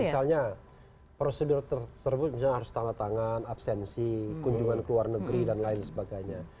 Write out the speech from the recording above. misalnya prosedur tersebut misalnya harus tanda tangan absensi kunjungan ke luar negeri dan lain sebagainya